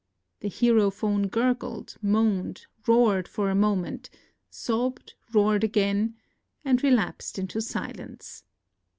The herophone gurgled, moaned, roared for a moment, sobbed, roared again, and relapsed into silence.